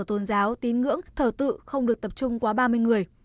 tôn giáo tín ngưỡng thờ tự không được tập trung quá ba mươi người